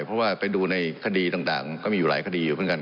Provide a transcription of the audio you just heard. เพราะว่าไปดูในคดีต่างก็มีอยู่หลายคดีอยู่เหมือนกัน